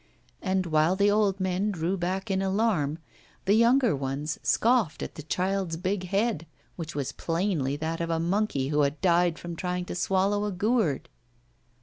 And while the old men drew back in alarm, the younger ones scoffed at the child's big head, which was plainly that of a monkey who had died from trying to swallow a gourd.